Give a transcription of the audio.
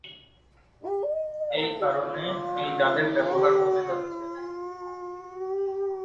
এই কারণে এই জালের ব্যবহার কমে যাচ্ছে।